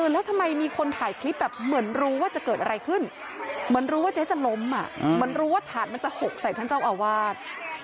แล้วทำไมมีคนถ่ายคลิปแบบเหมือนรู้ว่าจะเกิดอะไรขึ้นเหมือนรู้ว่าเจ๊จะล้มเหมือนรู้ว่าถาดมันจะหกใส่ท่านเจ้าอาวาส